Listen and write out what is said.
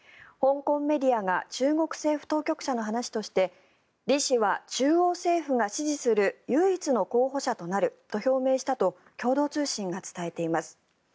香港メディアが中国政府当局者の話としてリ氏は中央政府が支持する唯一の候補者となると表明したと共同通信が伝えています。